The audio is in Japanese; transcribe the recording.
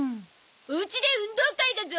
おうちで運動会だゾ！